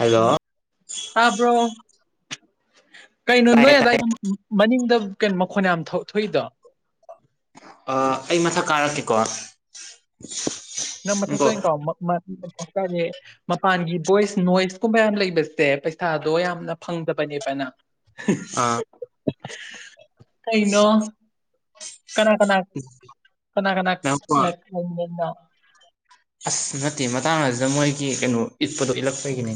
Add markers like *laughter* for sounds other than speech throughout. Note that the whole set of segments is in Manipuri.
ꯍꯜꯂꯣ ꯇꯥꯞ꯭ꯔꯣ ꯀꯩꯅꯣ ꯇꯥꯏꯌꯦ ꯅꯣꯏ ꯇꯥꯏꯌꯦ ꯑꯗꯥꯋꯥꯏꯗ ꯃꯅꯤꯡꯗ ꯀꯩꯅꯣ ꯃꯈꯣꯟ ꯌꯥꯝ ꯊꯣꯛꯏꯗꯣ ꯑꯩ ꯃꯊꯛ ꯀꯥꯔꯛꯀꯦꯀꯣ ꯅꯪ ꯃꯊꯛꯇ ꯅꯪꯀꯣ ꯑꯣꯏꯅ ꯀꯥꯎ ꯍꯥꯏꯇꯥꯔꯦ ꯃꯄꯥꯟꯒꯤ ꯚꯣꯏꯁ ꯅꯣꯏꯁ ꯀꯨꯝꯕ ꯌꯥꯝ ꯂꯩꯕꯁꯦ ꯄꯩꯁꯥꯗꯣ ꯌꯥꯝꯅ ꯐꯪꯗꯕꯅꯦꯕꯅ ꯑꯥ *unintelligible* ꯀꯩꯩꯅꯣ ꯀꯅꯥ ꯀꯅꯥ ꯀꯅꯥ ꯀꯅꯥ ꯅꯪꯀꯣ *unintelligible* ꯑꯁ ꯅꯠꯇꯦ ꯃꯇꯥꯡ ꯑꯁꯤ ꯑꯁꯤꯗ ꯃꯣꯏꯒꯤ ꯀꯩꯅꯣ ꯏꯠꯄꯗꯣ ꯏꯠꯂꯛꯄꯒꯤꯅꯤ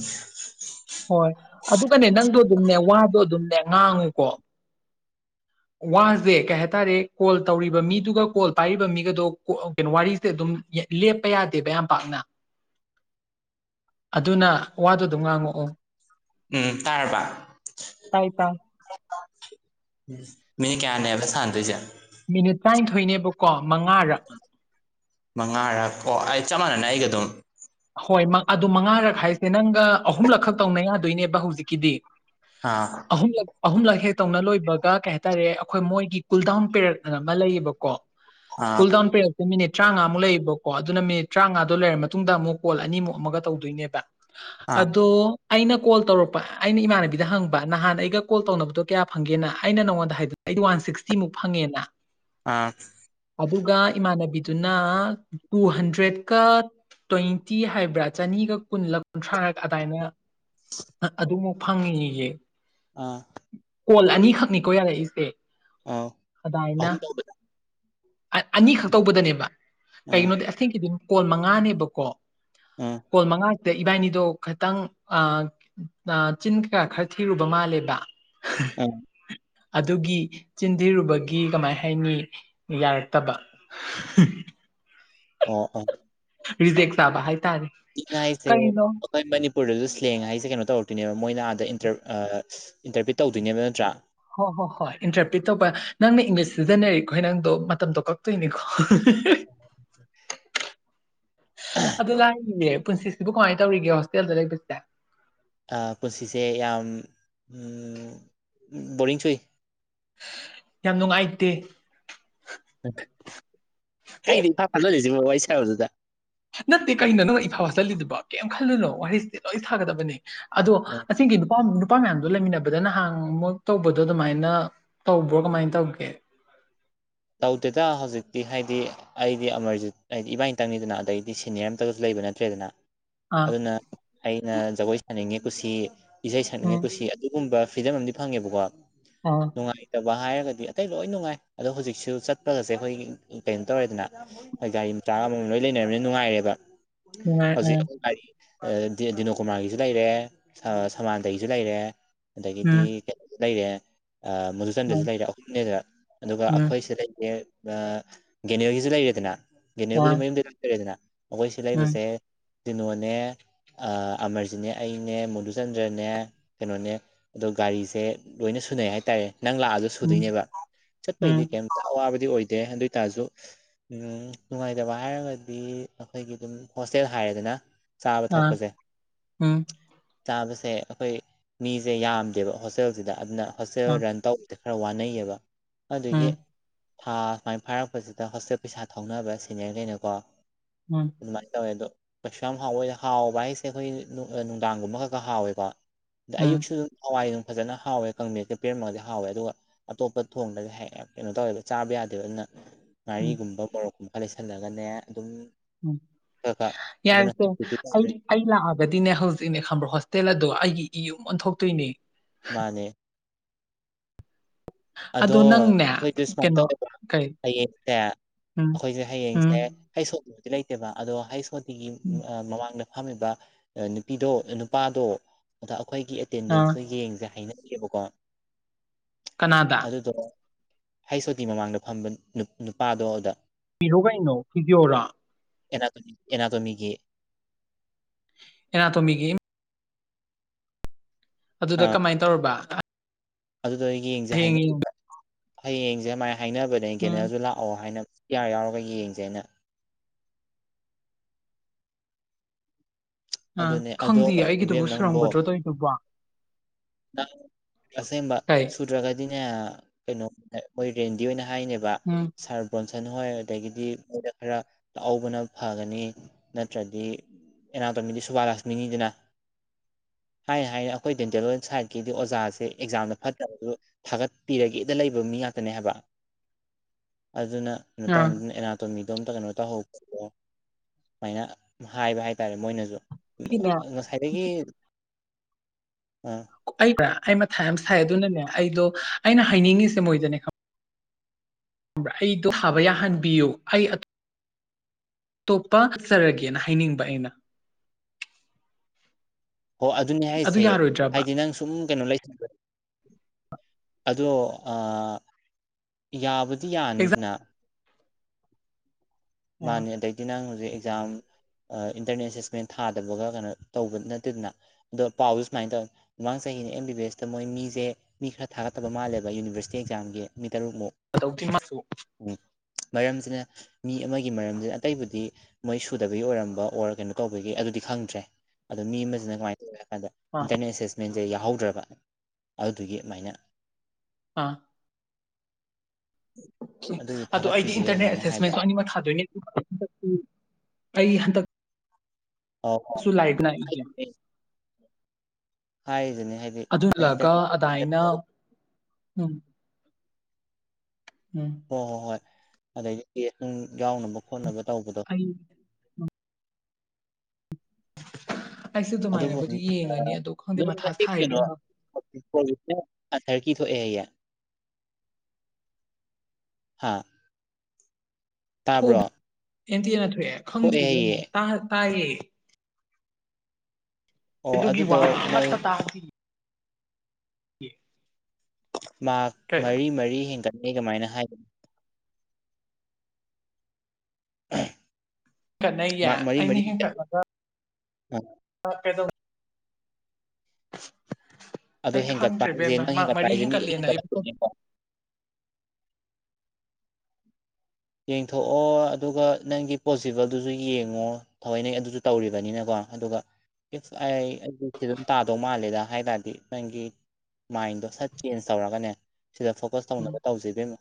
ꯍꯣꯏ ꯑꯗꯨꯒꯅꯦ ꯅꯪꯗꯣ ꯑꯗꯨꯝꯅꯦ ꯋꯥꯗꯣ ꯑꯗꯨꯝꯅꯦ ꯉꯥꯡꯉꯨꯀꯣ ꯋꯥꯁꯦ ꯀꯩ ꯍꯥꯏꯇꯥꯔꯦ ꯀꯣꯜ ꯇꯧꯔꯤꯕ ꯃꯤꯗꯨꯒ ꯀꯣꯜ ꯄꯥꯏꯔꯤꯕ ꯃꯤꯒꯗꯣ ꯀꯩꯅꯣ ꯋꯥꯔꯤꯁꯦ ꯑꯗꯨꯝ ꯂꯦꯞꯄ ꯌꯥꯗꯦꯕ ꯌꯥꯝ ꯄꯥꯛꯅ *inaudible* ꯑꯗꯨꯅ ꯋꯥꯗꯨ ꯑꯗꯨꯝ ꯉꯥꯡꯉꯛꯑꯣ ꯎꯝ ꯇꯥꯔꯕ ꯇꯥꯏ ꯇꯥꯏ ꯃꯤꯅꯤ ꯀꯌꯥꯅꯦꯕ ꯁꯥꯟꯅꯗꯣꯏꯁꯦ ꯃꯤꯅꯤꯠ ꯇꯔꯥꯅꯤꯊꯣꯏꯅꯦꯕꯀꯣ ꯃꯉꯥꯔ ꯃꯉꯥꯔꯛ ꯑꯣ ꯑꯩ ꯆꯞ ꯃꯥꯟꯅꯅ ꯑꯩꯒ ꯑꯗꯨꯝ ꯍꯣꯏ ꯑꯗꯨ ꯃꯉꯥꯔꯛ ꯍꯥꯏꯁꯦ ꯅꯪꯒ ꯑꯍꯨꯝꯂꯛ ꯈꯛ ꯇꯧꯅ ꯌꯥꯗꯣꯏꯅꯦꯕ ꯍꯧꯖꯤꯛꯀꯤꯗꯤ ꯑꯥ ꯑꯍꯨꯝꯂꯛ ꯑꯍꯨꯝꯂꯛ ꯍꯦꯛ ꯇꯧꯅ ꯂꯣꯏꯕ ꯀꯩ ꯍꯥꯏꯇꯥꯔꯦ ꯑꯩꯈꯣꯏ ꯃꯣꯏꯒꯤ ꯀꯨꯜ ꯗꯥꯎꯟ ꯄꯦꯔꯛꯅ ꯑꯃ ꯂꯩꯌꯦꯕꯀꯣ ꯑꯥ ꯀꯨꯜꯗꯥꯎꯟ ꯄꯦꯔꯛꯇꯁꯦ ꯃꯤꯅꯤꯠ ꯇꯔꯥꯃꯉꯥꯃꯨꯛ ꯂꯩꯌꯦꯕꯀꯣ ꯑꯗꯨꯅ ꯃꯤꯅꯤꯠ ꯇꯔꯥꯃꯉꯥꯗꯣ ꯂꯩꯔ ꯃꯇꯨꯡꯗ ꯑꯃꯨꯛ ꯀꯣꯜ ꯑꯅꯤꯃꯨꯛ ꯑꯃꯒ ꯇꯧꯗꯣꯏꯅꯦꯕ ꯑꯥ ꯑꯗꯣ ꯑꯩꯅ ꯀꯣꯜ ꯇꯧꯔꯛꯄ ꯑꯩꯅ ꯏꯃꯥꯟꯅꯕꯤꯗ ꯍꯪꯕ ꯅꯍꯥꯟ ꯑꯩꯒ ꯀꯣꯜ ꯇꯧꯅꯕꯗꯣ ꯀꯌꯥ ꯐꯪꯒꯦꯅ ꯑꯩꯅ ꯅꯉꯣꯟꯗ ꯍꯥꯏ ꯑꯩꯗꯤ ꯋꯥꯟ ꯁꯤꯛꯁꯇꯤꯃꯨꯛ ꯐꯪꯉꯦꯅ ꯑꯥ ꯑꯗꯨꯒ ꯏꯃꯥꯟꯅꯕꯤꯗꯨꯅ ꯇꯨ ꯍꯟꯗ꯭ꯔꯦꯗꯀ ꯇ꯭ ꯇꯤ ꯍꯥꯏꯕ꯭ꯔꯥ ꯆꯅꯤꯒ ꯀꯨꯟꯂ ꯀꯨꯟꯊ꯭ꯔꯥꯔꯛ ꯑꯗꯨꯗꯥꯏꯅ ꯑꯗꯨꯃꯨꯛ ꯐꯪꯉꯤꯉꯁꯦ ꯑꯥ ꯀꯣꯜ ꯑꯅꯤꯈꯛꯅꯤꯀꯣ ꯌꯥꯔꯛꯏꯁꯦ ꯑꯥꯎ ꯑꯍꯨꯝ ꯇꯗ ꯑꯅꯤ ꯈ ꯇꯧꯕꯗꯅꯦꯕ ꯑꯥ ꯀꯩꯒꯤꯅꯣꯗꯤ ꯑꯁꯦꯡꯒꯤꯗꯤ ꯀꯣꯟꯜ ꯃꯉꯥꯅꯦꯕꯀꯣ ꯑꯥ ꯀꯣꯣꯟ ꯃꯉ ꯗ ꯏꯕꯥꯏꯅꯤꯗꯣ ꯈꯤꯇꯪ ꯆꯤꯟ ꯈ ꯈꯔ ꯊꯤꯔꯨꯕ ꯃꯥꯜꯂꯦꯕ ꯑ ꯑꯗꯨꯒꯤ ꯆꯤꯟꯊꯤꯔꯨꯕꯒꯤ ꯀꯃꯥꯏ ꯍꯥꯏꯅꯤ ꯌꯥꯔꯛꯇꯕ ꯑꯣ ꯑ ꯔꯤꯖꯦꯛ ꯆꯕ ꯍꯥꯏ ꯆꯤꯟ ꯍꯥꯏꯁꯦ ꯑꯩꯈꯣꯏ ꯃꯅꯤꯄꯨꯔꯗꯁꯨ ꯁ꯭ꯂꯦꯡ ꯍꯥꯏꯁꯦ ꯀꯩꯅꯣ ꯇꯧꯔꯛꯇꯣꯏꯅꯦꯕ ꯃꯣꯏꯅ ꯑꯥꯗ ꯏꯟꯇꯔꯄ꯭ꯔꯤꯠ ꯇꯧꯗꯣꯏꯅꯦꯕ ꯅꯠꯇ꯭ꯔꯥ ꯍꯣꯏ ꯍꯣ ꯍꯣꯏ ꯏꯟꯇꯔꯄ꯭ꯔꯤꯠ ꯇꯧꯕ ꯅꯪꯅ ꯏꯪꯂꯤꯁ ꯁꯤꯖꯤꯟꯅꯔꯤꯀꯣ ꯅꯪꯗꯣ ꯃꯇꯝꯗꯣ ꯀꯛꯇꯣꯏꯅꯤꯀꯣ ꯑꯗꯨ ꯂꯥꯛꯔꯤꯅꯦ ꯄꯨꯟꯁꯤꯁꯤꯕꯨ ꯀꯃꯥꯏꯅ ꯇꯧꯔꯤꯒꯦ ꯍꯣꯁꯇꯦꯜꯗ ꯂꯩꯕꯁꯦ ꯄꯨꯟꯁꯤꯁꯦ ꯌꯥꯝ ꯕꯣꯔꯤꯡ ꯁꯨꯏ ꯌꯥꯝ ꯅꯨꯡꯉꯥꯏꯇꯦ ꯀꯩꯗꯤ ꯏꯝꯐꯥ ꯐꯍꯜꯂꯤꯁꯤꯃ ꯋꯥꯔꯤ ꯁꯔꯣꯗꯨꯗ ꯅꯠꯇꯦ ꯀꯩꯅꯣ ꯅꯪ ꯏꯐꯥꯎ ꯆꯠꯂꯤꯗꯨꯕ ꯀꯩꯝ ꯈꯜꯂꯨꯅꯣ ꯋꯥꯔꯤꯁꯤꯁꯦ ꯂꯣꯏ ꯁꯥꯒꯗꯕꯅꯦ ꯑꯗꯣ ꯑꯁꯤꯒꯤ ꯅꯨꯄꯥ ꯅꯨꯄꯥ ꯃꯌꯥꯝꯗꯣ ꯂꯩꯃꯤꯟꯅꯕꯗ ꯅꯍꯥꯟ ꯃꯨꯛ ꯇꯧꯕꯗꯣ ꯑꯗꯨꯃꯥꯏꯅ ꯇꯧꯕ꯭ꯔꯣ ꯀꯃꯥꯏꯅ ꯇꯧꯒꯦ *inaudible* ꯇꯧꯗꯦꯗ ꯍꯧꯖꯤꯛꯇꯤ ꯍꯥꯏꯗꯤ ꯑꯩꯗꯤ ꯑꯃꯔꯖꯤꯠ ꯍꯥꯏꯗꯤ ꯏꯕꯥꯅꯤꯇꯪꯅꯤꯗꯅ ꯑꯗꯩꯗꯤ ꯁꯦꯅꯤꯌꯔ ꯑꯝꯇꯒꯁꯨ ꯂꯩ ꯅꯠꯇ꯭ꯔꯦꯗꯅ ꯑꯥ ꯑꯗꯨꯅ ꯑꯩꯅ ꯖꯒꯣꯏ ꯁꯥꯅꯤꯡꯉꯤ ꯀꯨꯁꯤ ꯏꯁꯩ ꯁꯛꯅꯤꯡꯉꯤ ꯎꯝ ꯀꯨꯁꯤ ꯑꯗꯨꯒꯨꯝꯕ ꯐ꯭ꯔꯤꯗꯝ ꯑꯃꯗꯤ ꯐꯪꯉꯦꯕꯀꯣ ꯑꯥ ꯅꯨꯡꯉꯥꯏꯇꯕ ꯍꯥꯏꯔꯒꯗꯤ ꯑꯇꯩ ꯂꯣꯏ ꯅꯨꯡꯉꯥꯏ ꯑꯗꯣ ꯍꯧꯖꯤꯛꯁꯦ ꯁ ꯆꯠꯄꯒꯁꯦ ꯑꯩꯈꯣꯏ ꯀꯩꯅꯣ ꯇꯧꯔꯦꯗꯅ ꯑꯩꯣꯏ ꯒꯥꯔꯤ ꯃꯆꯥꯒꯃꯝ ꯂꯣꯏ ꯂꯩꯅꯔꯕꯅꯤꯅ ꯅꯨꯡꯉꯥꯏꯔꯦꯕ ꯅꯨꯡꯉꯥꯏ ꯍꯧꯖꯤꯛ ꯑꯥ ꯗꯤꯅꯣꯀꯨꯃꯥꯔꯒꯤꯁꯨ ꯂꯩꯔꯦ ꯁꯃꯥꯟꯇꯒꯤꯁꯨ ꯂꯩꯔꯦ ꯑꯗꯒꯤꯗꯤ ꯎꯝ ꯀꯩꯅꯣꯁꯨ ꯂꯩꯔꯦ ꯃꯨꯗꯨꯨꯆꯟꯗꯁꯨ ꯎꯝ ꯂꯩꯔꯦ ꯑꯍꯨꯝꯅꯦꯗ ꯑꯗꯨꯒ ꯎꯝ ꯑꯩꯈꯣꯏ ꯁꯤꯗ ꯂꯩꯔꯤꯦ ꯒꯦꯅꯤꯌꯣꯒꯤꯁꯨ ꯂꯩꯔꯦꯗꯅ ꯑꯥ ꯒꯦꯅꯤꯌꯣꯕꯨꯗꯤ ꯃꯌꯨꯝꯗ ꯂꯩꯇꯔꯦꯗꯅ ꯑꯩꯈꯣꯏ ꯁꯤ ꯎꯝ ꯂꯩꯕꯁꯦ ꯀꯅꯣꯅꯦ ꯑꯃꯔꯖꯤꯅꯦ ꯑꯩꯅꯦ ꯃꯣꯗꯨꯆꯟꯗ꯭ꯔꯅꯦ ꯀꯩꯅꯣꯅꯦ ꯑꯗꯣ ꯒꯥꯔꯤꯁꯦ ꯂꯣꯏꯅ ꯁꯨꯅꯩ ꯍꯥꯏꯇꯥꯔꯦ ꯅꯪ ꯂꯥꯛꯑꯒꯁꯨ ꯎꯝ ꯁꯨꯗꯣꯏꯅꯦꯕ ꯎꯝ ꯆꯠꯄꯩꯗꯤ ꯀꯩꯝ ꯑꯋꯥꯕ ꯗꯤ ꯑꯣꯏꯗꯦ ꯑꯗꯨ ꯑꯣꯏꯇꯥꯔꯁꯨ ꯎꯝ ꯅꯨꯡꯉꯥꯏꯇꯕ ꯍꯥꯏꯔꯒꯗꯤ ꯑꯩꯈꯣꯏꯒꯤ ꯑꯗꯨꯝ ꯍꯣꯁꯇꯦꯜ ꯍꯥꯏꯔꯦꯗꯅ ꯆꯥꯕ ꯑꯥ ꯊꯛꯄꯁꯦ ꯎꯝ ꯆꯥꯕꯁꯦ ꯁꯦ ꯑꯩꯈꯣꯏ ꯃꯤꯁꯦ ꯌꯥꯝꯗꯦꯕ ꯍꯣꯁꯇꯦꯜꯁꯤꯗ ꯑꯗꯨꯅ ꯍꯣꯁꯇꯦꯜ ꯑꯥ ꯔꯟ ꯇꯧꯦ ꯈꯔ ꯋꯥꯅꯩꯌꯦꯕ ꯑꯗꯨꯒꯤ ꯎꯝ ꯊꯥ ꯁꯨꯃꯥꯏꯅ ꯐꯥꯔꯛꯄꯁꯤꯗ ꯍꯣꯁꯇꯦꯜ ꯄꯩꯁꯥ ꯊꯧꯅꯕ ꯁꯤꯦꯅꯤꯌꯔ ꯂꯩꯩꯅꯀꯣ ꯎꯝ ꯃꯥꯏ ꯇꯕꯣ ꯀꯩꯁꯨ ꯌꯥꯝ ꯍꯥꯎꯋꯦ ꯑꯗ ꯍꯥꯎꯕ ꯍꯥꯏꯁꯦ ꯑꯩꯈꯣꯏ ꯅꯨꯡꯗꯥꯡꯒꯨꯝꯕ ꯈꯛꯀ ꯍꯥꯎꯋꯦꯀꯣ ꯑꯗ ꯎꯝ ꯑꯌꯨꯛꯁꯨ ꯑꯗꯨꯝ ꯍꯋꯥꯏ ꯑꯗꯨꯝ ꯐꯖꯅ ꯍꯥꯎꯋꯦ ꯀꯥꯡꯕꯦꯀ ꯄꯦꯔꯝꯃꯒꯗꯤ ꯍꯥꯎꯋꯦ ꯑꯗꯨꯒ ꯑꯇꯣꯞꯄ ꯊꯣꯡꯗ ꯀꯩꯅꯣ ꯇꯧꯋꯦꯕ ꯆꯥꯕ ꯌꯥꯗꯦꯕ ꯑꯗꯨꯅ ꯎꯝ ꯉꯥꯔꯤꯒꯨꯝꯕ ꯃꯣꯔꯣꯛꯀꯨꯝꯕ ꯂꯩꯁꯜꯂꯒꯅꯦ ꯑꯗꯨꯝ ꯎꯝ ꯈꯔ ꯈꯔ ꯑꯗꯨꯅ ꯌꯥꯔꯁꯦ ꯁꯞꯇꯤꯇ꯭ꯌꯨꯠ ꯑꯩ ꯇꯧꯔꯦ ꯑꯩ ꯂꯥꯛꯑꯒꯗꯤꯅꯦ ꯍꯧꯖꯤꯛꯅꯦ ꯈꯝꯕ꯭ꯔꯣ ꯍꯣꯁꯇꯦꯜ ꯑꯗꯣ ꯑꯩꯒꯤ ꯏꯌꯨꯝ ꯑꯣꯟꯊꯣꯛꯇꯣꯏꯅꯦ ꯃꯥꯅꯦ ꯑꯗꯣ ꯑꯩꯈꯣꯏꯗꯤ ꯁꯨꯃꯥꯏꯅ ꯀꯩꯅꯣ ꯇꯧ꯭ꯔꯥ ꯀꯩ ꯍꯌꯦꯡꯁꯦ ꯎꯝ ꯑꯩꯈꯣꯏꯁꯦ ꯎꯝ ꯍꯌꯦꯡꯁꯦ ꯍꯩ ꯁꯣꯠꯇꯕꯨꯗꯤ ꯂꯩꯇꯦꯕ ꯑꯗꯣ ꯍꯩ ꯁꯣꯇꯤꯒꯤ ꯎꯝ ꯃꯃꯥꯡꯗ ꯐꯝꯃꯤꯕ ꯅꯨꯄꯤꯗꯣ ꯅꯨꯄꯥꯗꯣ ꯑꯗ ꯑꯩꯈꯣꯏꯒꯤ ꯑꯥ ꯑꯦꯇꯦꯟꯗꯦꯟꯁꯇꯣ ꯌꯦꯡꯁꯦ ꯍꯥꯏꯅ ꯌꯦꯀ ꯀꯅꯥꯗ ꯑꯗꯨꯗꯣ ꯍꯩꯁꯣꯇꯤ ꯃꯃꯥꯡꯗ ꯐꯝꯕ ꯅꯨꯄꯥꯗꯣꯗ ꯄꯤꯔꯣ ꯀꯩꯅꯣ ꯄꯤꯕꯤꯌꯣꯔꯥ ꯑꯦꯅꯥ ꯑꯦꯅꯥꯇꯃꯤꯒꯤꯦ ꯑꯦꯅꯥ ꯇꯣꯃꯤꯒꯤ ꯑꯗꯨꯗ ꯑꯥ ꯀꯃꯥꯏꯅ ꯇꯧꯔꯕ ꯑꯗꯨꯗꯣ ꯑꯩ ꯌꯦꯡꯁꯦ ꯍꯥꯏ ꯍꯌꯦꯡ ꯌꯦꯡ ꯍꯌꯦ ꯌꯦꯡꯁꯦ ꯃꯥꯥꯏ ꯍꯥꯏꯅꯕꯅꯦ ꯎꯝ ꯀꯦꯅꯔꯁꯨ ꯂꯥꯛꯑꯣ ꯍꯥꯏꯅ ꯌꯥꯔ ꯌꯥꯎꯔꯒ ꯌꯦꯡꯖꯦ ꯑꯩꯅ ꯑꯥ ꯑꯗꯨꯅꯦ ꯑꯗꯣ ꯈꯪꯗꯤꯌꯦ ꯑꯩꯒꯤꯗꯨꯕꯨ ꯏꯕꯦꯝ ꯅꯪꯕꯣ ꯁꯨꯔꯝꯒꯗ꯭ꯔꯣ ꯇꯧꯔꯤꯗꯨꯕꯣ ꯑꯁꯦꯕ ꯀꯩ ꯁꯨꯇ꯭ꯔ ꯀꯥꯏꯗꯤ ꯀꯩꯅꯣ ꯃꯣꯏ ꯔꯦꯟꯗꯤ ꯑꯣꯏꯅ ꯍꯥꯏꯅꯦꯕ ꯎꯝ ꯁꯥꯔ ꯕꯣꯟ ꯁꯟ ꯍꯣꯏ ꯑꯗꯒꯤꯗꯤ ꯃꯣꯏꯗ ꯈꯔ ꯂꯥꯛꯍꯕꯅ ꯐꯒꯅꯤ ꯅꯠꯇ꯭ꯔꯗꯤ ꯑꯦꯅꯥꯎ ꯇꯧꯃꯤꯗꯤ ꯁꯨꯕꯥ ꯂꯥꯁ ꯃꯤꯅꯤꯗꯅ ꯍꯥꯏꯅ ꯍꯥꯏꯅ ꯑꯩꯈꯣꯏ ꯗꯦꯟꯇꯦꯜ ꯁꯥꯏꯠꯀꯤꯗꯤ ꯑꯣꯖꯥꯁꯦ ꯑꯦꯛꯖꯥꯝꯗ ꯐꯠꯇꯕꯗꯨ ꯊꯥꯒꯠꯄꯤꯔꯒꯦꯗ ꯂꯩꯕ ꯃꯤ ꯉ ꯍꯥꯏ ꯑꯗꯨꯅꯩꯅꯣ ꯇꯧ ꯑꯥ ꯑꯦꯅꯥꯇ ꯑꯗꯨꯣꯝꯇ ꯀꯩꯅꯣ ꯇꯧꯍꯧꯕꯣ ꯁꯨꯃꯥꯏꯅ ꯍꯥꯏꯕ ꯍꯥꯏꯇꯥꯔꯦ ꯃꯣꯏꯅꯁꯨ ꯑꯩꯒꯤꯅꯦ ꯁꯥꯏꯔꯤꯒꯤ ꯑꯩꯕ꯭ꯔꯥ ꯑꯩ ꯃ ꯊꯥꯏ ꯑꯃ ꯁꯥꯏ ꯑꯗꯨꯅꯅꯦ ꯑꯩꯗꯣ ꯑꯩꯅ ꯍꯥꯏꯅꯤꯡꯉꯤꯁꯦ ꯃꯣꯏꯗꯅꯦ ꯈꯪ ꯑꯩꯗꯣ ꯐꯥꯕ ꯌꯥꯍꯟꯕꯤꯌꯨ ꯑꯩ ꯇꯣꯞꯄ ꯆꯠꯆꯔꯒꯦꯅ ꯍꯥꯏꯅꯤꯡꯕ ꯑꯩꯅ ꯑꯣ ꯑꯗꯨꯅꯦ ꯑꯗꯨ ꯍꯥꯏꯁꯦ ꯌꯥꯔꯣꯏꯗ꯭ꯔꯕ ꯍꯥꯏꯗꯤ ꯅꯪ ꯁꯨꯝ ꯀꯩꯅꯣ ꯂꯩ ꯑꯗꯣ ꯌꯥꯕꯨꯗꯤ ꯌꯥꯅꯤꯗꯅ ꯑꯦꯛꯖꯥꯝ ꯃꯥꯅꯦ ꯑꯗꯩꯗꯤ ꯅꯪ ꯍꯧꯖꯤꯛ ꯑꯦꯛꯖꯥꯝ ꯏꯟꯇꯔꯅꯦꯠ ꯑꯦꯁꯦꯁꯃꯦꯟ ꯊꯥꯗꯕꯒ ꯀꯩꯅꯣ ꯇꯧꯕ ꯅꯠꯇꯦꯗꯅ ꯑꯗꯣ ꯄꯥꯎꯁꯨ ꯁꯨꯃꯥꯏꯅ ꯇꯧꯋ ꯃꯃꯥꯡ ꯆꯍꯤ ꯑꯩꯒꯤꯩꯅ ꯑꯦꯝ ꯕꯤ ꯕꯤ ꯑꯦꯁꯇ ꯃꯣꯏ ꯃꯤꯁꯦ ꯃꯤ ꯈꯔ ꯊꯥꯒꯠꯇꯕ ꯃꯥꯜꯂꯦꯕ ꯌꯨꯅꯤꯚꯔꯁꯤꯇꯤ ꯑꯦꯛꯖꯥꯝꯒꯤ ꯇꯔꯨꯛꯃꯨꯛ ꯁꯨ ꯃꯔꯝꯁꯤꯅ ꯃꯤ ꯑꯃꯒꯤ ꯒꯤ ꯃꯔꯝꯁꯤꯅ ꯑꯇꯩꯕꯨꯗꯤ ꯃꯣꯏ ꯁꯨꯗꯕꯒꯤ ꯑꯣꯏꯔꯝꯕ ꯑꯣꯔ ꯀꯩꯅꯣ ꯀꯧꯕꯒꯤ ꯑꯗꯨꯗꯤ ꯈꯪꯗ꯭ꯔꯦ ꯑꯗꯣ ꯃꯤ ꯑꯃꯁꯤꯅ ꯀꯃꯥꯏꯅ ꯇꯧꯋꯦ ꯗ ꯑꯥ ꯏꯟꯇꯔꯅꯦꯠ ꯑꯦꯁꯦꯁꯃꯦꯟꯁꯦ ꯌꯥꯎꯍꯧꯗ꯭ꯔꯕ ꯑꯗꯨꯗꯨꯒꯤ ꯑꯗꯨꯃꯥꯏꯅ ꯑꯥ ꯑꯣ ꯑꯗꯨꯒꯤ ꯑꯗꯣ ꯑꯩꯗꯤ ꯊꯥꯒꯠꯄꯤꯗꯦ ꯏꯟꯇꯔꯅꯦꯠ ꯑꯗꯨꯃꯥꯏꯅ ꯍꯥꯏꯕ ꯑꯦꯁꯦꯁꯃꯦꯟꯇꯣ ꯑꯅꯤꯃꯛ ꯊꯥꯗꯣꯏꯅꯦ ꯑꯩ ꯍꯟꯗꯛ ꯑꯣ ꯍꯥꯏꯖꯅꯦ ꯑꯗꯨꯂꯒ ꯑꯗꯨꯃꯥꯏꯅ ꯎꯝ ꯎꯝ ꯍꯣꯏ ꯍꯣꯏ ꯍꯣꯏ ꯑꯗꯩꯗꯤ ꯀꯦꯁ ꯑꯗꯨꯝ ꯌꯥꯎꯅꯕ ꯈꯣꯠꯅꯕ ꯇꯧꯕꯗꯣ ꯑꯩ *unintelligible* ꯑꯗꯨꯕꯨ ꯑꯗꯨꯃꯥꯏꯅꯕꯨꯗꯤ ꯌꯦꯡꯉꯅꯤ ꯑꯗꯣ ꯈꯪꯗꯦ ꯅꯣꯏꯅ ꯃꯊꯥ ꯁꯥꯏ ꯀꯩꯅꯣ ꯏꯕꯦꯝꯃ ꯊꯇꯔꯀꯤ ꯊꯣꯛꯑꯦꯌꯦ ꯍꯥ ꯇꯥꯕ꯭ꯔꯣ ꯑꯦꯟꯇꯤꯅ ꯊꯣꯛꯑꯦ ꯈꯪꯗꯦꯅ ꯇꯥꯏꯌꯦ ꯑꯣ ꯑꯗꯨꯒꯤ ꯑꯗꯨꯗꯣ ꯋꯥꯒ ꯃꯣꯏ ꯑꯃꯠꯇ ꯇꯥꯗꯦ *unintelligible* ꯃꯥꯛ ꯃꯔꯤ ꯃꯔꯤ ꯍꯦꯟꯒꯠ ꯑꯩ ꯀꯃꯥꯏꯅ ꯍꯥꯏ ꯍꯦꯟꯀꯠꯅꯩꯌꯦ ꯃꯥꯔꯛ ꯃꯔꯤ ꯑꯩꯅ ꯃꯔꯤ ꯍꯦꯟꯒꯠ ꯍꯦꯟꯀꯠꯂꯒ ꯍꯥ ꯀꯦꯗꯣ *unintelligible* ꯑꯗꯣ ꯑꯩ ꯍꯦꯟꯒꯠꯄ ꯍꯥꯏꯁꯦ ꯈꯪꯗ꯭ꯔꯦꯕꯦꯝꯅ ꯅꯪ ꯃꯔꯀ ꯍꯦꯟꯒꯠꯄ ꯃꯔꯤ ꯍꯥꯏꯁꯦ ꯃꯤ ꯂꯣꯏ ꯍꯦꯟꯒꯠꯂꯦꯅ ꯑꯩꯕꯨ ꯍꯦꯟꯒꯠꯂꯛꯇꯣꯏꯅꯦꯀꯣ ꯌꯦꯡꯊꯣꯛꯑꯣ ꯑꯗꯨꯒ ꯅꯪꯒꯤ ꯄꯣꯁꯤꯕꯜꯗꯨꯁꯨ ꯌꯦꯡꯉꯣ ꯊꯋꯥꯏꯅ ꯑꯗꯨꯁꯨ ꯇꯧꯔꯤꯕꯅꯤꯅꯀꯣ ꯑꯗꯨꯒ ꯑꯩ ꯑꯗꯨꯝ ꯇꯥꯗꯧ ꯃꯥꯜꯂꯦꯗ ꯍꯥꯏ ꯇꯥꯔꯗꯤ ꯅꯪꯒꯤ ꯃꯥꯏꯟꯗꯣ ꯁꯠ ꯆꯦꯟꯖ ꯇꯧꯔꯒꯅꯦ ꯁꯤꯗ ꯐꯣꯀꯁ ꯎꯝ ꯇꯧꯅꯕ ꯇꯧꯁꯤ ꯏꯕꯦꯝꯃ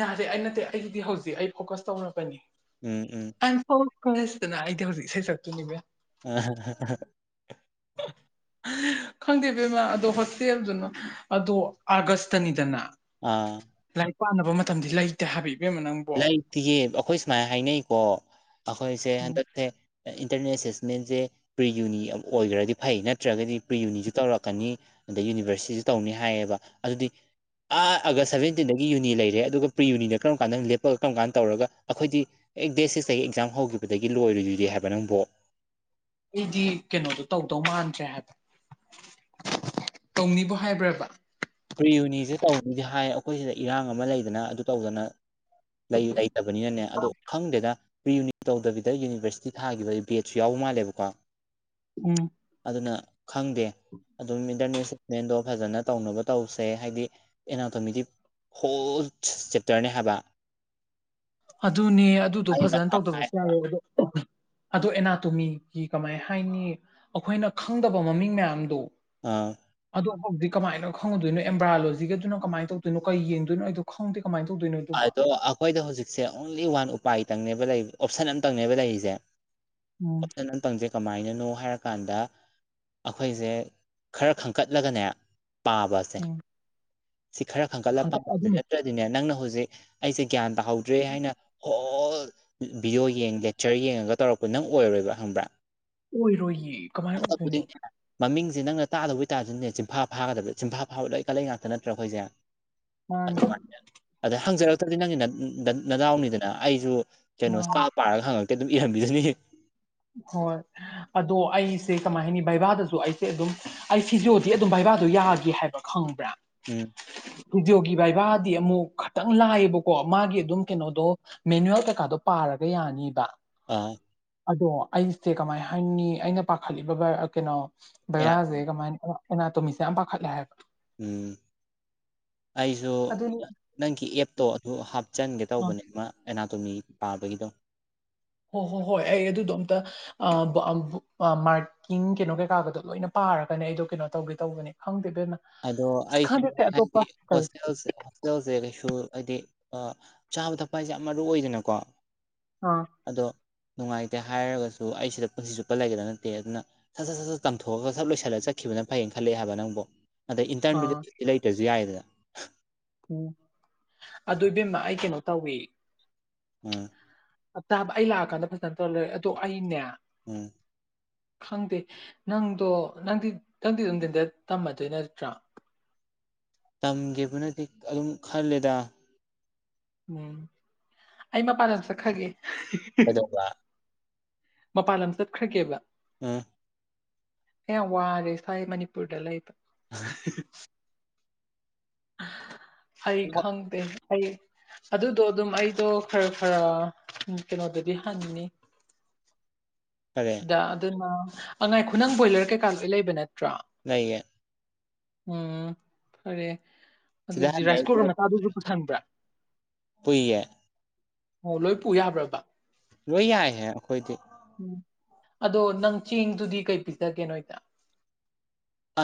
ꯌꯥꯔꯦ ꯑꯩ ꯅꯠꯇꯦ ꯑꯩꯒꯤꯗꯤ ꯍꯧꯖꯤꯛ ꯑꯩ ꯐꯣꯀꯁ ꯇꯧꯔꯕꯅꯤ ꯎꯝ ꯎꯝ ꯑꯟ ꯐꯣꯜ ꯐꯣꯔꯦꯁ ꯑꯩꯗꯤ ꯍꯧꯖꯤꯛ ꯏꯁꯩ ꯁꯛꯇꯣꯏꯅꯤ ꯏꯕꯦꯝ ꯑꯥ ꯑꯥ *unintelligible* ꯈꯪꯗꯦ ꯕꯦꯝꯃꯥ ꯑꯗꯣ ꯍꯣꯁꯇꯦꯜꯗꯨꯅ ꯑꯗꯣ ꯑꯥꯒꯁꯇꯅꯤꯗꯅ ꯑꯥ ꯂꯥꯏꯔꯤꯛ ꯄꯥꯅꯕ ꯃꯇꯝꯗꯤ ꯂꯩꯇꯦ ꯍꯥꯏꯕ ꯏꯕꯦꯝꯃ ꯅꯪꯕꯣ ꯂꯩꯥꯇꯤꯌꯦ ꯑꯩꯈꯣꯏ ꯁꯨꯃꯥꯏꯅ ꯍꯥꯏꯅꯩꯀꯣ ꯑꯩꯈꯣꯏꯁꯦ ꯍꯟꯗꯛꯁꯦ ꯏꯟꯇꯔꯅꯦꯜ ꯑꯦꯁꯦꯁꯃꯦꯟꯁꯦ ꯄ꯭ꯔꯤ ꯌꯨꯅꯤ ꯑꯣꯏꯈ꯭ꯔꯗꯤ ꯐꯩ ꯅꯠꯇ꯭ꯔꯒꯗꯤ ꯄ꯭ꯔꯤꯌꯨꯅꯤꯁꯨ ꯇꯧꯔꯛꯀꯅꯤ ꯑꯗꯩ ꯌꯨꯅꯤꯚꯔꯁꯤꯇꯤꯁꯤ ꯇꯧꯅꯤ ꯍꯥꯏꯌꯦꯕ ꯑꯗꯨꯗꯤ ꯑꯥ ꯑꯥꯒꯁ ꯁꯚꯦꯟꯇꯤꯟꯗꯒꯤ ꯌꯨꯅꯤ ꯂꯩꯔꯦ ꯑꯗꯨꯒ ꯄ꯭ꯔꯤ ꯌꯨꯅꯤꯗ ꯀꯔꯝ ꯀꯥꯟꯗ ꯂꯦꯞ ꯀꯔꯝ ꯀꯥꯟꯅ ꯇꯧꯔꯒ ꯑꯩꯈꯣꯏꯗꯤ ꯑꯦ ꯗꯦꯠ ꯁꯤꯁꯇꯒꯤ ꯑꯦꯛꯖꯥꯝ ꯍꯧꯈꯤꯕꯗꯒꯤ ꯂꯣꯏꯔꯨꯗꯤ ꯍꯥꯏꯕ ꯅꯪꯕꯨ ꯑꯩꯗꯤ ꯀꯩꯅꯣ ꯑꯗꯨ ꯇꯧꯗꯧ ꯃꯥꯟꯗ꯭ꯔꯦ ꯍꯥꯏꯕ ꯇꯧꯅꯤꯕꯨ ꯍꯥꯏꯕ꯭ꯔꯕ ꯄ꯭ꯔꯤꯌꯨꯅꯤꯁꯦ ꯇꯧꯅꯤꯗꯤ ꯍꯥꯏ ꯑꯩꯈꯣꯏꯁꯤꯗ ꯏꯔꯥꯡ ꯑꯃ ꯂꯩꯗꯅ ꯑꯗꯨ ꯇꯧꯗꯅ ꯂꯩ ꯂꯩꯇꯕꯅꯤꯅꯅꯦ ꯑꯗꯣ ꯈꯪꯗꯦꯗ ꯄ꯭ꯔꯤꯌꯨꯅꯤꯠ ꯇꯧꯗꯕꯤꯗ ꯌꯨꯅꯤꯚꯔꯁꯤꯇꯤ ꯊꯥꯈꯤꯕ ꯕꯦꯠꯁꯨ ꯌꯥꯎꯕ ꯃꯥꯜꯂꯦꯕꯀꯣ ꯎꯝ ꯑꯗꯨꯅ ꯈꯪꯗꯦ ꯑꯗꯨꯝ ꯏꯟꯇꯔꯅꯦꯠ ꯁꯤꯁꯃꯦꯟꯗꯣ ꯐꯖꯅ ꯇꯧ ꯇꯧꯁꯦ ꯍꯥꯏꯗꯤ ꯑꯦꯅꯥꯇꯣꯃꯤꯗꯤ ꯍꯣꯜ ꯆꯦꯞꯇꯔꯅꯦ ꯍꯥꯏꯕ ꯑꯗꯨꯅꯦ ꯑꯗꯨꯗꯣ ꯑꯩ ꯐꯖꯅ ꯃꯊꯥ ꯁꯥꯏ ꯇꯧꯗꯕꯁꯨ ꯍꯥꯏꯕ ꯌꯥꯋꯦ ꯑꯗꯣ ꯑꯗꯣ ꯑꯦꯅꯥꯇꯣꯃꯤꯒꯤ ꯀꯃꯥꯏ ꯍꯥꯏꯅꯤ ꯑꯩꯈꯣꯏꯅ ꯈꯪꯗꯕ ꯃꯃꯤꯡ ꯃꯌꯥꯝꯗꯣ ꯑꯥ ꯑꯗꯨꯣ ꯍꯧꯖꯤꯗꯤ ꯀꯃꯥꯏꯅ ꯈꯪꯉꯗꯣꯏꯣ ꯑꯦꯝꯕ꯭ꯔꯥꯂꯣꯖꯤꯒꯗꯨꯅ ꯀꯃꯥꯏ ꯇꯧꯗꯣꯏꯅꯣ ꯀꯩ ꯌꯦꯡꯗꯨꯅꯣ ꯑꯩꯁꯨ ꯈꯪꯗꯦ ꯀꯃꯥꯏꯅ ꯇꯧꯗꯣꯏꯅꯣ ꯑꯗꯨꯕꯣ ꯑꯗꯣ ꯑꯩꯈꯣꯏꯗ ꯍꯧꯖꯤꯛꯁꯦ ꯑꯣꯡꯂꯤ ꯋꯥꯟ ꯎꯄꯥꯏꯇꯪꯅꯦꯕ ꯂꯩ ꯑꯣꯞꯁꯟ ꯑꯃꯇꯪꯅꯦꯕ ꯂꯩꯔꯤꯁꯦ ꯎꯝ ꯑꯣꯞꯁꯟ ꯑꯝꯇꯪꯖꯦ ꯀꯃꯥꯏꯅꯅꯣ ꯍꯥꯏꯔꯀꯥꯟꯗ ꯑꯩꯈꯣꯏꯁꯦ ꯈꯔ ꯈꯟꯀꯠꯂꯒꯅꯦ ꯄꯥꯕꯁꯦ ꯎꯝ ꯁꯤ ꯈꯔ ꯈꯟꯒꯠꯂ ꯄꯥꯕꯗ ꯑꯗꯨꯅꯦ ꯅꯠꯇ꯭ꯔꯗꯤꯅꯦ ꯅꯪꯅ ꯍꯧꯖꯤꯛ ꯍꯧꯖꯤꯛ ꯑꯩꯁꯦ ꯒ꯭ꯌꯥꯟ ꯇꯥꯍꯧꯗ꯭ꯔꯦ ꯍꯥꯏꯅ ꯑꯣꯜ ꯚꯤꯗꯤꯑꯣ ꯌꯦꯡ ꯂꯦꯛꯆꯔ ꯌꯦꯡꯉꯒ ꯇꯧꯔꯛꯄ ꯅꯪ ꯑꯣꯏꯔꯣꯏꯕ ꯈꯪꯕ꯭ꯔꯥ ꯑꯣꯏꯔꯣꯏꯌꯦ ꯀꯃꯥꯏꯅ ꯑꯣꯏꯗꯣꯏꯅꯣ ꯑꯁꯇꯕꯨꯗꯤꯅꯦ ꯃꯃꯤꯡꯁꯦ ꯅꯪꯅ ꯇꯥꯗꯧꯕꯩꯇꯥꯥꯔꯅꯅꯦ ꯆꯤꯟꯐꯥ ꯐꯥꯒꯗꯕꯗ ꯆꯝꯐꯥ ꯐꯥꯕꯣꯏ ꯂꯣꯏ ꯀꯠꯂꯩ ꯉꯥꯛꯇ ꯅꯠꯇ꯭ꯔ ꯑꯩꯈꯣꯏꯁꯦ ꯃꯥꯅꯤ ꯑꯗꯨꯃꯥꯏꯅ ꯑꯗ ꯍꯪꯖꯔꯛꯇ꯭ꯔꯗꯤ ꯅꯪꯒꯤ ꯅꯗꯥꯎꯅꯤꯗꯅ ꯑꯩꯁꯨ ꯃꯥꯅꯤ *unintelligible* ꯍꯣꯏ ꯑꯗꯣ ꯑꯩꯁꯦ ꯀꯃꯥꯏ ꯍꯥꯏꯅꯤ ꯕꯏꯕꯥꯗꯁꯨ ꯑꯩꯁꯦ ꯑꯗꯨꯝ ꯑꯩ ꯁꯤꯖꯣꯗꯤ ꯑꯗꯨꯝ ꯕꯥ ꯕꯥꯏꯕꯥꯗꯣ ꯌꯥꯗꯦ ꯍꯥꯏꯕ ꯈꯪꯕ꯭ꯔꯥ ꯎꯝ ꯖꯨꯗꯣꯒꯤ ꯕꯥꯏꯕꯥ ꯃꯥꯗꯤ ꯑꯃꯨꯛ ꯑꯥ ꯑꯗꯣ ꯑꯩꯁꯦ ꯀꯃꯥꯏ ꯍꯥꯏꯅꯤ ꯑꯩꯅ ꯄꯥꯈꯠꯂꯤꯕꯕ ꯀꯩꯅꯣ ꯕꯔꯥꯁꯦ ꯀꯃꯥꯏ ꯑꯦꯅꯥ ꯇꯣꯃꯤꯁꯦ ꯌꯥꯝ ꯄꯥꯈꯠꯂꯦ ꯍꯥꯏꯕ ꯎꯝ ꯑꯩꯁꯨ ꯑꯗꯨꯅꯤ ꯅꯪꯒꯤ ꯑꯦꯞꯇꯣ ꯑꯗꯨ ꯍꯥꯞꯆꯟꯒꯦ ꯇꯧꯕꯅꯦꯃ ꯑꯦꯅꯥꯇꯣꯃꯤ ꯄꯥꯕꯒꯤꯗꯣ ꯍꯣꯏ ꯍꯣ ꯍꯣꯏ ꯑꯩ ꯑꯗꯨꯗꯣ ꯑꯝꯇ ꯃꯥꯔꯀꯤꯡ ꯀꯩꯅꯣ ꯀꯩꯀꯥꯒꯗꯣ ꯂꯣꯏꯅ ꯄꯥꯝ ꯇꯥꯔꯒꯅꯦ ꯑꯩꯗꯣ ꯀꯩꯅꯣ ꯇꯧꯒꯦ ꯇꯧꯕꯅꯤ ꯈꯪꯗꯦ ꯏꯕꯦꯝꯃ ꯑꯗꯣ ꯑꯁ ꯑꯩ ꯁꯨꯝ ꯈꯪꯗꯦ ꯁꯦ ꯍꯥꯏꯗꯤ ꯑꯇꯣꯞꯄ ꯀꯔꯤ ꯍꯣꯁꯇꯦꯜ ꯍꯣꯁꯇꯦꯜꯁꯦ ꯀꯩꯁꯨ ꯍꯥꯏꯗꯤ ꯆꯥꯕ ꯊꯛꯄ ꯍꯥꯏꯁꯦ ꯌꯥꯝ ꯃꯔꯨ ꯑꯣꯏꯗꯅꯀꯣ ꯑꯥ ꯑꯗꯣ ꯅꯨꯡꯉꯥꯏꯇꯦ ꯍꯥꯏꯔꯒꯁꯨ ꯑꯩ ꯁꯤꯗ ꯄꯨꯟꯁꯤ ꯆꯨꯞꯄ ꯂꯩꯒꯗ ꯅꯠꯇꯦ ꯑꯗꯨꯅ ꯁꯠ ꯁꯠ ꯁꯠ ꯁꯠ ꯇꯝꯊꯣꯛꯑꯒ ꯁꯠ ꯂꯣꯏꯁꯤꯜꯂ ꯆꯠꯈꯤꯕ ꯑꯗꯨꯅ ꯐꯩꯌꯦꯅ ꯈꯜꯂꯛꯑꯦ ꯍꯥꯏꯕ ꯅꯪꯕꯨꯣ ꯑꯗꯩ ꯑꯥ ꯏꯟꯇꯔꯟꯗꯨꯗꯤ ꯂꯩꯇ꯭ꯔꯁꯨ ꯌꯥꯏꯌꯦꯗꯅ ꯎꯝ ꯑꯗꯨ ꯏꯕꯦꯝꯃ ꯑꯩ ꯀꯩꯅꯣ ꯇꯧꯏ ꯎꯝ ꯇꯥꯕ ꯑꯩ ꯂꯥꯛꯑꯀꯥꯟꯗ ꯐꯖꯅ ꯇꯧꯔ ꯂꯩꯦ ꯑꯗꯣ ꯑꯩꯅꯦ ꯎꯝ ꯈꯪꯗꯦ ꯅꯪꯗꯣ ꯅꯪꯗꯤ ꯅꯪꯗꯤ ꯅꯨꯡꯊꯤꯟꯗ ꯇꯝꯃꯗꯣꯏ ꯅꯠꯇ꯭ꯔꯥ *unintelligible* ꯇꯝꯒꯕꯅꯗꯤ ꯑꯗꯨꯝ ꯈꯜꯂꯦꯗ ꯎꯝ ꯑꯩ ꯃꯄꯥꯟꯗ ꯆꯠꯈꯒꯦ ꯍꯖꯧ ꯃꯄꯥꯟ ꯂꯝ ꯆꯠꯈ꯭ꯔꯒꯦꯕ ꯎꯝ ꯌꯥꯝ ꯋꯥꯔꯦ ꯁꯋꯥꯥꯏ ꯃꯅꯤꯄꯨꯔꯗ ꯂꯩꯕ ꯑꯩ ꯈꯪꯗ ꯑꯩ ꯑꯗꯨꯗꯣ ꯑꯗꯨꯝ ꯑꯩꯗꯣ ꯈꯔ ꯈꯔ ꯀꯩꯅꯣꯗꯗꯤ ꯍꯟꯅꯤ ꯀꯔꯤ ꯁꯤꯗ ꯑꯗꯨꯅ ꯑꯉꯥꯏ ꯈꯨꯅꯪ ꯕꯣꯏꯂꯔ ꯀꯩꯀꯥ ꯂꯣꯏ ꯂꯩꯕ ꯅꯠꯇ꯭ꯔꯣ ꯅꯌꯦ ꯎꯝ ꯐꯔꯦ ꯁꯤꯗ ꯑꯗꯨꯗꯤ ꯍꯟꯅꯤ ꯔꯥꯏꯁ ꯀꯨꯀꯔ ꯃꯆꯥꯗꯨꯒ ꯄꯨꯊꯟꯕ꯭ꯔꯥ ꯄꯨꯌꯦ ꯑꯣ ꯂꯣꯏ ꯄꯨ ꯌꯥꯕ꯭ꯔꯕ ꯂꯣꯏ ꯌꯥꯏꯍꯦ ꯑꯩꯈꯣꯏꯗꯤ ꯎꯝ ꯑꯗꯣ ꯅꯪ ꯆꯦꯡꯗꯨꯗꯤ ꯀꯩ ꯄꯤꯖꯒꯦꯅꯣꯣꯏꯗ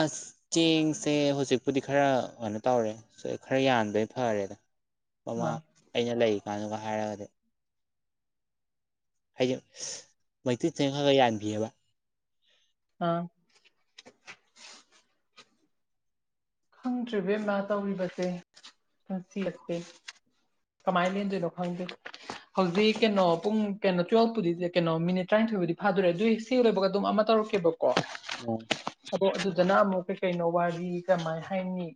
ꯑꯁ ꯆꯦꯡꯁꯦ ꯍꯧꯖꯤꯛꯄꯨꯗꯤ ꯈꯔ ꯀꯩꯅꯣ ꯇꯧꯔꯦ ꯈꯔ ꯌꯥꯟꯕꯩ ꯐꯔꯦꯗ ꯃꯃꯥ ꯑꯥ ꯑꯩꯅ ꯂꯩ ꯀꯥꯟꯗꯨꯒ ꯍꯥꯏꯔꯒꯗꯤ ꯍꯥꯏꯗꯤ ꯃꯩꯇꯩ ꯆꯦꯡ ꯈꯔ ꯈꯔ ꯌꯥꯟꯕꯤꯑꯕ ꯑꯥ ꯈꯪꯗ꯭ꯔꯤꯕꯦꯝꯅ ꯇꯧꯔꯤꯕꯁꯦ ꯅꯨꯡꯁꯤꯔꯛꯇꯦ ꯀꯃꯥꯏ ꯂꯦꯟꯗꯦ ꯂ ꯈꯥꯏꯗ ꯍꯧꯖꯤꯛ ꯀꯩꯅꯣ ꯄꯨꯡ ꯀꯩꯅꯣ ꯇꯨꯋꯦꯜꯐꯄꯨꯗꯤ ꯀꯩꯅꯣ ꯃꯤꯅꯤꯠ ꯇꯔꯥꯅꯤꯊꯣꯏꯕꯨꯗꯤ ꯐꯥꯗꯣꯔꯦ ꯑꯗꯨꯏ ꯁꯤ ꯂꯣꯏꯕꯒ ꯑꯗꯨꯝ ꯑꯃ ꯇꯧ ꯕꯀꯣꯔꯦ ꯎꯝ ꯑꯗꯣ ꯑꯗꯨꯗꯅ ꯑꯃꯨꯛ ꯀꯩꯀꯩꯅꯣ ꯋꯥꯔꯤ ꯀꯃꯥꯏ ꯍꯥꯏꯅꯤ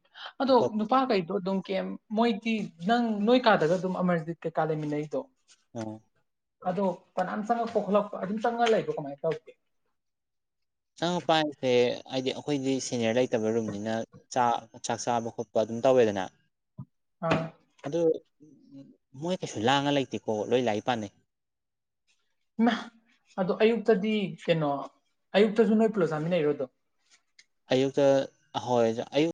ꯑꯗꯣ ꯑꯇꯣꯞ ꯅꯨꯄꯥꯈꯩꯗꯣ ꯑꯗꯨꯝ ꯀꯦꯝ ꯃꯣꯏꯗꯤ ꯅꯪ ꯅꯣꯏ ꯀꯥꯗꯒ ꯑꯗꯨꯝ ꯑꯃꯔꯖꯤꯠ ꯀꯩꯀꯥ ꯂꯩꯃꯤꯟꯅꯔꯤꯗꯣ ꯎꯝ ꯑꯗꯣ ꯐꯅꯥꯝ ꯆꯪꯉꯛꯄ ꯈꯣꯠꯂꯛꯄ ꯑꯗꯨꯝ ꯆꯪꯉ ꯂꯩꯕꯣ ꯀꯃꯥꯏꯅ ꯇꯧꯒꯦ ꯆꯉ ꯄꯥꯏꯁꯦ ꯍꯥꯏꯗꯤ ꯑꯩꯈꯣꯏꯗꯤ ꯁꯦꯅꯤꯌꯔ ꯂꯩꯇꯕ ꯔꯨꯝꯅꯤꯅꯥꯛ ꯆꯥꯛ ꯆꯥꯕ ꯈꯣꯠꯄ ꯑꯗꯨꯝ ꯇꯧꯋꯦꯗꯅ ꯑꯥ ꯑꯗꯨꯗ ꯃꯣꯏ ꯀꯩꯁꯨ ꯂꯥꯡꯉ ꯂꯩꯇꯦꯀꯣ ꯂꯣꯏ ꯂꯥꯛ ꯄꯥꯅꯩ ꯅ ꯑꯗꯣ ꯑꯌꯨꯛꯇꯗꯤ ꯀꯩꯅꯣ ꯑꯌꯨꯛꯇꯁꯨ ꯅꯣꯏ ꯄꯨꯜꯂꯣ ꯆꯥꯃꯤꯟꯅꯩꯔꯣꯗꯣ ꯌꯨꯛꯇ ꯑꯍꯣꯏ ꯖ ꯑꯌꯨ